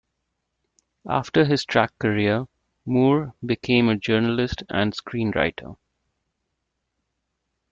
After his track career, Moore became a journalist and screenwriter.